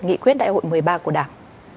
nghị quyết đại hội một mươi ba của đảng